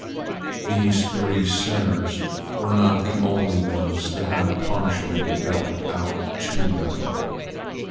These three sinners were not the only ones to have punishment dealt out to them.